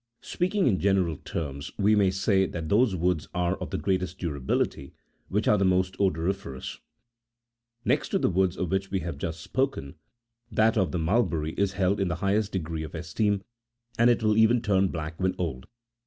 Speaking in general terms, we may say that those woods are of the greatest durability which are the most odoriferous.36 Next to those woods of which we have just spoken, that of the mulberry is held in the highest degree of esteem, and it will even turn black when old.